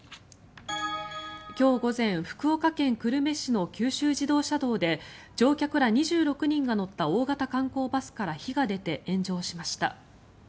今日午前福岡県久留米市の九州自動車道で乗客ら２６人が乗った大型観光バスから火が出て炎上しました。